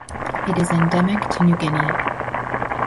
It is endemic to New Guinea.